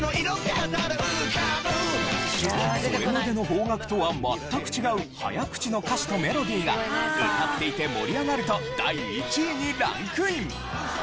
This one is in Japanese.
それまでの邦楽とは全く違う早口の歌詞とメロディーが歌っていて盛り上がると第１位にランクイン。